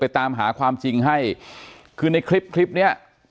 อ๋อเจ้าสีสุข่าวของสิ้นพอได้ด้วย